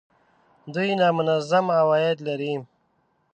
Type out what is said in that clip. دوی نامنظم عواید لري